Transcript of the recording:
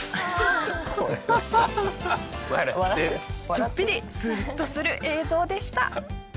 ちょっぴりスッとする映像でした。